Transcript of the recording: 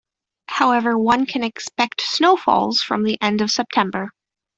However one can expect snowfalls from the end of September.